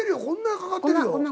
こんなかかってるよ。